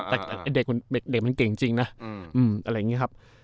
แต่เด็กมันเก่งจริงนะ